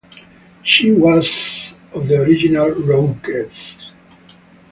She was one of the original Rockettes.